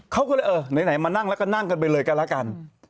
เขาก็เลยเออไหนมานั่งแล้วก็นั่งกันไปเลยกันแล้วกัน